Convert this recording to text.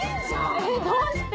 えっどうして？